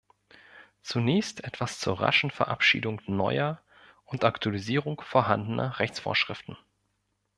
Zunächst etwas zur raschen Verabschiedung neuer und Aktualisierung vorhandener Rechtsvorschriften.